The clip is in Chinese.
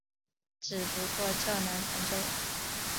只不过较难弹奏。